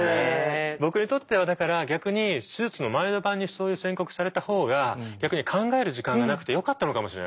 僕にとってはだから逆に手術の前の晩にそういう宣告されたほうが逆に考える時間がなくてよかったのかもしれない。